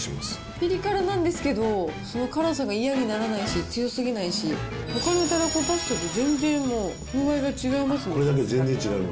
ピリ辛なんですけど、その辛さが嫌にならないし、強すぎないし、ほかのたらこパスタと全然もう、風合いが違いますもん。